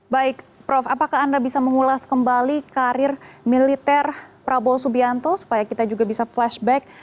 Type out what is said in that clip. baik prof apakah anda bisa mengulas kembali karir militer prabowo subianto supaya kita juga bisa flashback